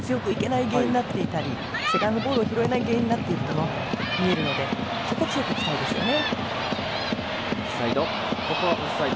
強くいけない原因になっていたりセカンドボールを拾いにいけない原因になっているように見えるのでそこを強くいきたいですね。